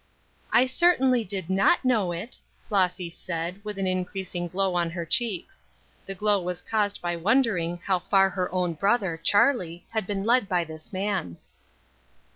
"I certainly did not know it," Flossy said, with an increasing glow on her cheeks. The glow was caused by wondering how far her own brother, Charlie, had been led by this man.